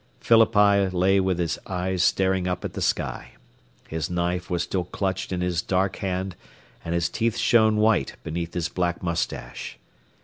Phillippi lay with his eyes staring up at the sky. His knife was still clutched in his dark hand, and his teeth shone white beneath his black mustache.